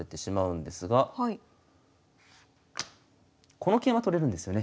この桂馬取れるんですよね。